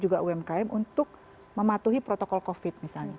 jadi sekarang misalnya situasi covid